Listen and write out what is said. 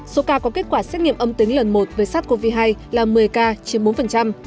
số ca có kết quả xét nghiệm âm tính lần một với sars cov hai là một mươi ca chiếm bốn